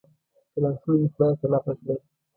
چې لاسونه مې خدای ته لپه کړل.